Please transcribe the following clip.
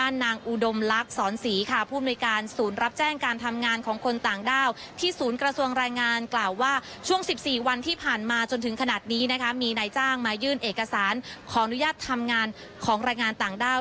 ยื่นเอกสารของอนุญาตทำงานของรายงานต่างด้าว